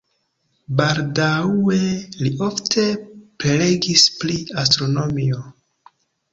Baldaŭe li ofte prelegis pri astronomio.